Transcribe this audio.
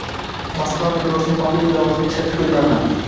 Moskva metrosining mobil ilovasini ishlatib koʻrganman.